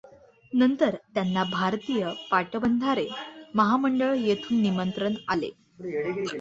नंतर त्यांना भारतीय पाटबंधारे महामंडळ येथून निमंत्रण आले.